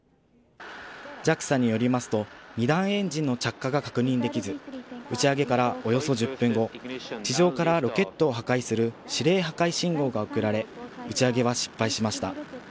ＪＡＸＡによりますと、２段エンジンの着火が確認できず、打ち上げからおよそ１０分後、地上からロケットを破壊する指令破壊信号が送られ、打ち上げは失敗しました。